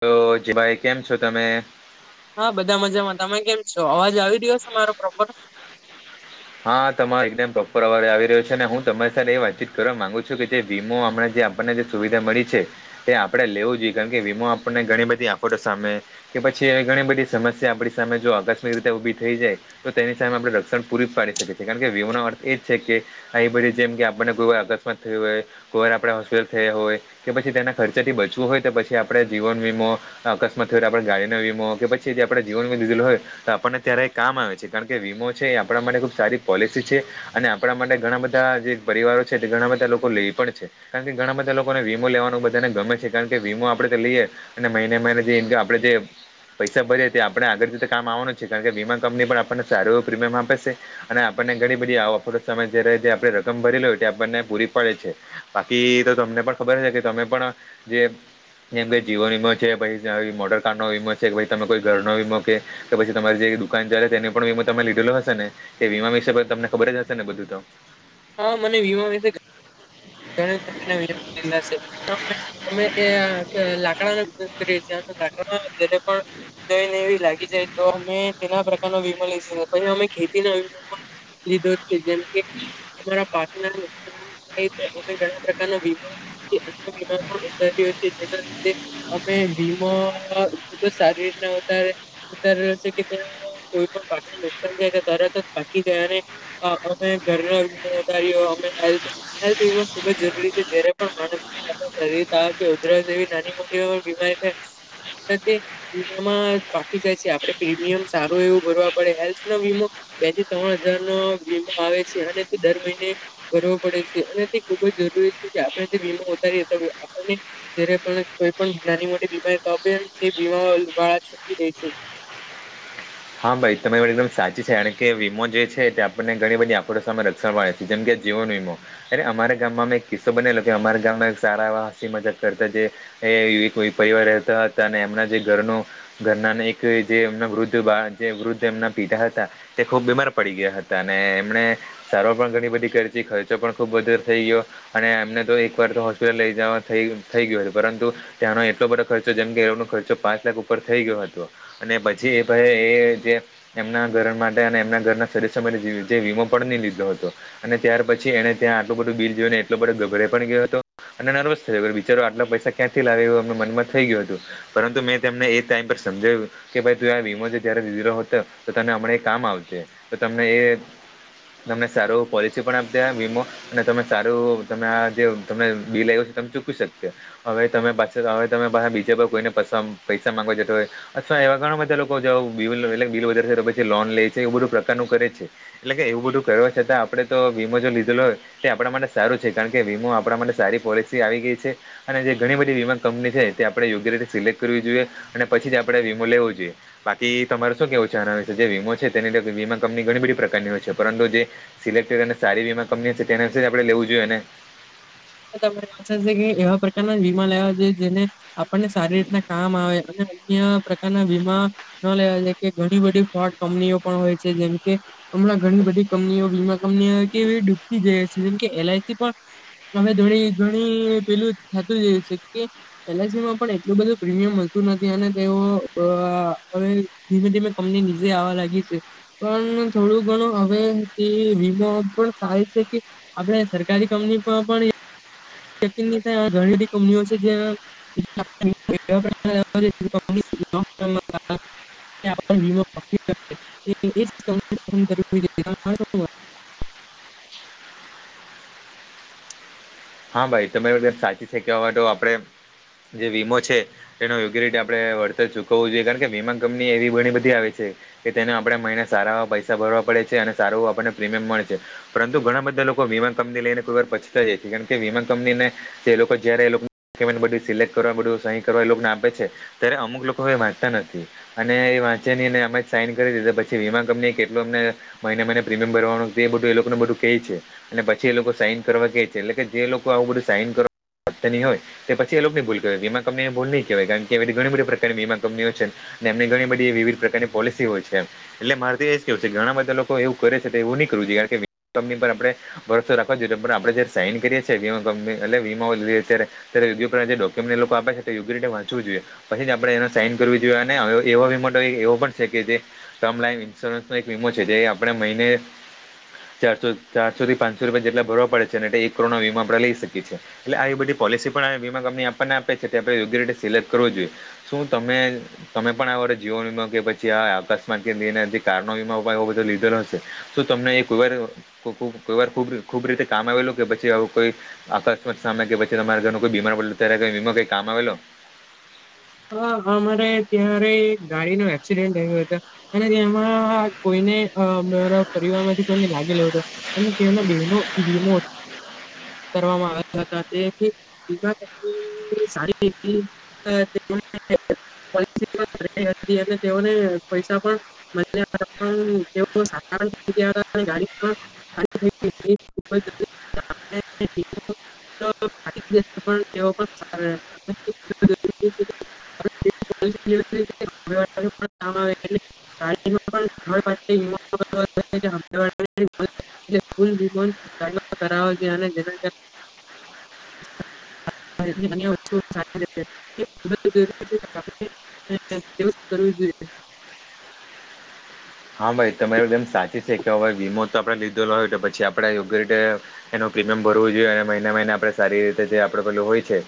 તો જ ભાઈ કેમ છો તમે હા બધા મજામાં તમે કેમ છો અવાજ આવી રહ્યો છો મારો પ્રોપર હા તમારો એકદમ પ્રોપર અવારજ આવી રહ્યો છે ને હું તમારી સાથે એ વાતચીત કરવા માંગુ છું કે જે વીમો અમણા આપણને જે સુવિધા મળી છે તે આપણે લેવું જોઈએ કારણ કે વીમો આપણને ઘણી બધી આફતો સામે કે પછી એ ઘણી બધી સમસ્યા આપણી સામે જો આકસ્મિક રીતે ઊભી થઈ જાય તો તેની સામે આપણે રક્ષણ પૂરી પાડી શકે છે કારણ કે નો અર્થ એ જ છે કે આવી બધી જેમ કે આપણને કોઈ વાર અકસ્માત થયો હોય કોઈ વાર આપણે થયા હોય કે પછી તેના ખર્ચાથી બચવું હોય તો પછી આપણે જીવન વીમો અકસ્માત થયો હોય આપણી ગાડી ગાડીનો વીમો કે પછી આપણે જીવનમાં દીધેલ હોય તો આપણને ત્યારે કામ આવે છે કારણ કે વીમો છે એ આપણા માટે સારી પોલિસી છે અને આપણા માટે ઘણા બધા જે પરિવારો છે તે ઘણા બધા લોકો લે પણ છે કારણ કે ઘણા બધા લોકોને વીમો લેવાનું બધાને ગમે છે કારણ કે વીમો આપણે તો લઈએ અને મહિને મહિને જે ઇન્મ આપણે જે પૈસા ભરીએ તે આપણે આગળ ભી તો કામ આવવાનું છે કારણ કે વીમા કંપની પણ આપણને સારું એવું પ્રીમિયમ આપે છે અને આપણને ઘણી બધી આફતો સામે જે આપણે રકમ ભરી લોય આપણને પૂરી પાડે છે બાકી તમને પણ ખબર હશે કે તમે પણ જે જેમ કે જીવો વીમો છે પછી મોટર કાર નો વીમો છે કે તમે કોઈ ઘર નો વીમો કે કે પછી તમારી જે દુકાન ચાલે તે પણ વીમો તમે લીધેલો હશે ને તે વીમા વિશે તમને ખબર જ હશે ને બધું તો હા મને વીમા વિશે ઘણા બધાના વિમા લીધેલા છે અમે એ લાકડા ના કરીએ છીએ લાકડામા જેના માં એવું ઊંધય એવી લાગી જાય તો અમે તેના પ્રકારનો વીમો લઈ પછી અમે ખેતી વીમો લીધો છે જેમ કે અમારા પાકના નુકસાન થાય મે ઘણા પ્રકારના વીમા કે અન્ય વીમા પણ ઉતારીયો છે જેના લીધે અમે વીમા ખુબ જ સારી રી [unintelligible] ઉતારી રહ છે કે ત કોઈ પણ પાકને નુકસાન જાય તરત જ બાકી જાય અને અમે ઘરનો વધારીયો અમે હેલ્થ વીમો ખુબ જરૂરી છે જયારે પણ માણસને આપણે શરીર તાવ કે ઉધરસ જે એવી નાની મોટી બીમારી. યસ. વી બાકી જાય છે આપણે પ્રીમિયમ સારું એવું ભરવા પડે હેલ્થનો વીમો. બે થી ત્રણ હજાર નો વીમાો આવે છે અનેને તો દર મહિને ભરવો પડે છે. અને તે ખુબ જ જરૂરી છે કે આપણે જે વીમા વધારી આપ જ પણ કોઈ પણ. ટી બીમારી તોે તે બીમા વાળા છૂટવી દેશ. [inaudible] હા ભાઈ તરી એકદમ સાચી છે કારણ કે વીમો જે છે તે આપણને ઘણી બધી આડો સામે રક્ષણવા જેમ કે. જીવો વમો એ અમારા ગામમાં મેં એક કિસ્સો બનેલો કે અમારા ગામમાં એક સારા એવા હસી મજક કરતા જે. એ એક પરિવાર રહેતા હતા અને એમના જે ઘરનો ઘરના એક જે એમના વૃદ્ધ. જે વૃદ્ધ એમના પિતાા હતા તે ખુબ બીમાર પડી ગયા હતા અને એમને સારવાર પણ ઘણી બધી કર. થી ખર્ચો પણ ખૂબ વધારે થઈ ગયો અને એમને તો એકવાર તો હોસ્પિટલ લઈ જવા થઈ ગયો છે પરંતુ. ત્યાંનો એટલો બધો ખર્ચો જેમ કે એ ન ખર્ચો પાંચ લાખ ઉપર થઈ ગયો હતો અને પછી એ ભ એ. એમના ઘર માટે એમના ઘરના સદસ માટે વીમો પણ ન લીધો હતો અને ત્યાર પછી. ી એને ત્યા આટું બધું બીરયઈને એટલો બડે ગડે ગયો હતો અને નર્વસ થયો બચારો આટલા પૈસા ક્યાંથી લાગ. મમાં થઈ ગયું હતું પરંતુ મેંને એ ટમ પર સમજાવ્યું કે ભાઈ તું આ વીમો છે. હીરો હતો તો તને હમણાં એ કામ આવશે તો તમને એ તમને સારું પોલિસી પણ આપ દે આ વીમો અને તમે સારું તમે આ જે તમે બીલ આયું તમ ચૂકી શકશે. હવે તમે પાછા હવે તમે પાહા બીજા કોઈને પાસે અમ પૈસા માંગવા જતા હોય એવા ઘણા બધા લોકો જાઉં [unintelligible] એટલે ક બિલ વધાર છે તો પછી લોન લે છે. એવું બધું પ્રકારનું કરે છે. એટલે કે એવું બધું કરવા છતાં આપડે તો વીમો જો લીધેલો હોય. તે આપણા માટે સારું છે. કારણ કે વીમો આપણા માટે સારી પોલિસી આવી ગઈ છે અને જે ઘણી બધી વીમા કંપની છે તે આપણે યોગ્ય રીતે સિલેક્ટ કરવી જોઈએ અને પછી જ આપણે વીમો લેવો જોઈએ બાકી. તે તમારે શું કેવું ચાહ આવે છે જે વીમો છે તેને લ વીમા કંપની ઘણી બધી પ્રકારની હોય છે પરંતુ જે સિલેક્ટ. સારી વીમા કંપની છે તેના વિશે આપણે લેવું જોઈએને. તને વાાશે કે એવા પ્રકારના જ વીમા લેવા જોઈએ જેને. આપણને સારી રીતના કામ આવે અને. પ્રના વીમા ન લેવા કે ઘણી બધી ફ કંપનીઓ પણ હોય છે જેમકે. ઘણી બધી કંપનીઓ વીમા કંપનીઓ કે ડૂબતી જઈ છે જેમ કે એલઆઈસી પણ. હવે ઘણી પેલું થતું જ છે કે એલઆઈસી માં પણ એટલું બધું પ્રીમિયમતું. અને તેઓ હવે ધીમે ધીમે કંપની નીચે આવવા લાગી છે પણ. થોડું ઘણું હવે વીમો પણ સાર છે કે આપણે સરકારી કંપની. પા પાણી. યકીન નઈ થાય એવા ઘણી બધી કંપનીઓ છે જ્યાં [inaudible] [inaudible] [inaudible] [inaudible] હા ભાઈ તમે બધ સાચી છે કે હવે તો આપડે જે વીમો છે એનો યુગરિટી આપડે વળતર ચૂકવવું જોઈએ. કારણ કે વીમા કંપની એવી ઘણી બધી આવે છે છે કે તેને આપણે મહિને સારા એવા પૈસા ભરવા પડે છે અને સારું આપણને પ્રીમિયમ મળે છે. પરંતુ ઘણા બધા લોકો વીમા કંપની લઈને કોઈ વાર પછતાઈ જાય છે. કારણ કે વીમા કંપનીને જે લોકો જયારે એ લોકો સેવન બધું સિલેક્ટ કરો ન બધું સહી કરો એ લોકન આપે છે ત્યારે અમુક લોકો એ વાંચતા નથી અને એ વાંચે નઈ ને એમ જ સાઈન કરી દેય ત પછી વીમા કંપનીએ કેટલું એમને મહિને મહિને પ્રીમિયમ ભરવાનું એ બધું એ લોકોને બ ધુ કેય છે અને પછી એ લોકો સાઈન કરવા કે છે. એટલે કે જે લોકો આવું બધું સાઈન કરવા તા ની હોય. તે પછી એ લોકની ભૂલ કેવાય. વીમા કંપનીની ભૂલ નઈ કેવાય. કારણ કે એવી ત ઘણી બધી પ્રકારની વીમા કંપનીઓ છે ન એમને ઘણી બધી એ વિવિધ પ્રકારની પોલિસી હોય છે એમ. એટલે મારે તો એ જ કેવું છે કે ઘણા બધા લોકો એવું કરે છે તો એવું ની કર રવું જોઈએ. કારણ વીમા કંપની પર આપડે ભરસો રાખવો જોઈએ પણ આપડે જયાર સાઈન કરીએ છીએ વીમા કંપની એટલે વીમો લીએ ત્યારે, ત્યારે [unintelligible] જે ડોક્યુમેન્ટ એ લોકો આપે છે તે યોગ્ય રીતે વાંચવું જોઈ એ. પછી આપડે એને સાઈન કરવી જોઈએ અને હવે એવો વીમો ત એવો પણ છે જે ટર્મ લાઈન ઇન્સ્યોરન્સ એક વીમો છે જે આપણે મહિને ચારસો-ચારસો થી પાંચસો રૂપિયા જેટલા ભરવા પડે છે. ના વીમા આપણે લઈ શકીએીએ એટલે એ બધી પોલિસી પણ વીમા કંપની આપણને આપે છે આપ યોગ્ય રીતે. જોઈ શ ત તમે પણ આ જીવન કે પછી અકસ્. [unintelligible] લીધેલો હશે તમને [unintelligible] કામ આવેલું કે પછી આવુ કોઈ અકસ્માત સામે કે પછી તમારા ઘરનું કોઈ બીમાર પડલુ ત્યારે કઈ વીમો કઈ કામ આવેલો? [inaudible] હ, અમારે ત્યારે ગાડીનું એક્સિડન્ટ થેયલું હતુ અને તેમાં કોઈ ને અ મારા પરિવાર માંથી કોયને લાગેલુ હતુ અને તેઓનો બેવનો વીમો હ કરવામાં આવ્યા હતા તેથી [unintelligible] [unintelligible] અને તેઓને પૈસા પણ [unintelligible] ગાડી ઉપર [unintelligible] [unintelligible] [unintelligible] [unintelligible] [unintelligible] [inaudible] અન્ય વસ્તુ સારી રહેતી હતી. ખૂબ જ જરૂરી છે [unintelligible] કરવું જ જોઈએ. હા ભાઈ, તમારી જેમ સાચી છે કે હવે વીમો તો આપડે લીધેલો હોયતો પછી આપડે યોગ્ય રીતે એનો પ્રીમિયમ ભરવું જુએ અને મહિને મહિને આપરે સારી રીતે જે આપરું ભરલું હોય છે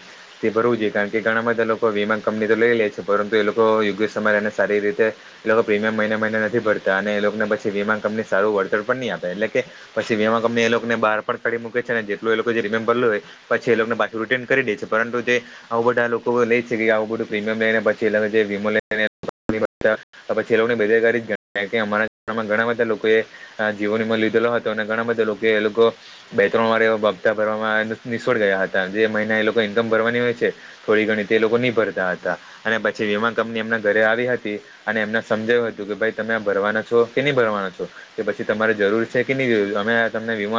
તે ભરવું જુએ કારણ કે ઘણા બધા લોકો વીમા કંપની તો લેલે છે પરંતુ એ લોકો યોગ્ય સમયે એમને સારી રીતે લોકો પ્રીમિયમ મહિને મહિને નથી ભ અને એ લોકને પછી વીમા કંપની સારું વળતર પણની આપે એટલે કે પછી વીમા કંપની એ લોકને બાર પણ કરી મૂકે. છેને જેટલુ એ લોકોએ જે પ્રીમિયમ ભરલુ હોય પછી એ લોકને પાછું રિટર્ન કરીદે છે પરંતુ જે આવ બધા લોકો લે છે કે આવું બધું પ્રીમિયમ લઈને પછી એ લોકો જે વીમો લઈને ની ભરતા પછી એ લોકને બેદરકારી જ ગ કારણ કે અમારા ઘણા બધા લોકોએ આ જીવનવીમા લીધેલો હતો અને ઘણાં બધાં લોકયે એ લોકો બે ત્રણ વાર એવા બાપતા ભરવામાં નિષ્ફળ ગયા હતા જે મહિને એ લોકોએ ઈન્કમ ભરવાની હોય છે થોડી ઘણી તે લોકોની ભરતા હતા અને પછી વીમા કંપની એમના ઘરે આવી હતી અને એમને સમજાવ્યું હતું કે ભાઈ તમે આ ભરવાના છો કે ની ભરવાના છો કે પછી તમારે જરૂર છે કે ની જરૂર અમે તમને વીમો